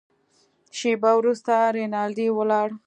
شېبه وروسته رینالډي ولاړ.